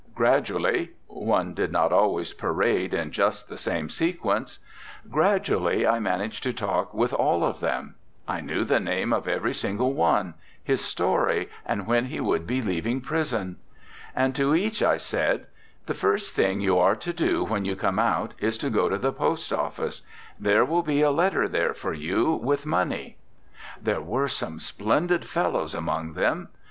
Gradually one did not always parade in just the same sequence gradually I managed to talk with all of them! I knew the name of every single one, his story, and when he would be leaving prison. And to each I said: The first thing you are to do when you come out is to go to the post office; there will be a letter there for you with money. ... There were some splendid fellows among them.